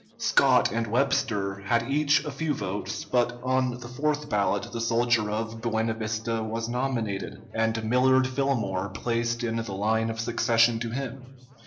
Scott and Webster had each a few votes; but on the fourth ballot the soldier of Buena Vista was nominated, and Millard Fillmore placed in the line of succession to him.